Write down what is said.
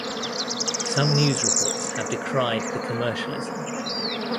Some news reports have decried the commercialism.